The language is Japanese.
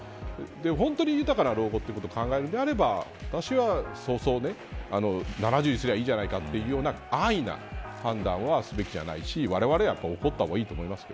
本当に豊かな老後ということを考えるのであれば私はそうそう、７０にすればいいじゃないかというような安易な判断はすべきじゃないしわれわれは怒った方がいいと思いますよ。